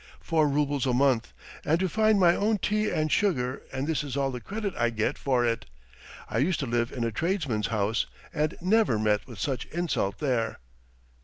Four roubles a month ... and to find my own tea and sugar and this is all the credit I get for it! I used to live in a tradesman's house, and never met with such insult there!"